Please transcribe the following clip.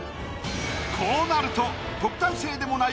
こうなると特待生でもない